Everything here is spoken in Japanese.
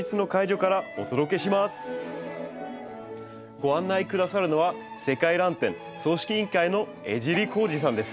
ご案内下さるのは世界らん展組織委員会の江尻光二さんです。